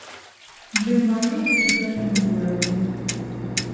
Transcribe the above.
بې مانا ويډيوګانې مه جوړوئ.